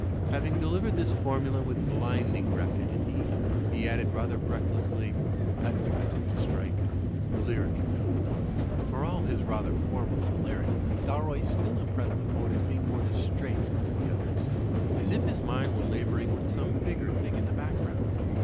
'' Having delivered this formula with blinding rapidity, he added rather breathlessly, ''that's the note to strike, the lyric note." For all his rather formless hilarity, Dalroy stiD impressed the poet as being more distrait than the others, as if his mind were labouring with some bigger thing in the background.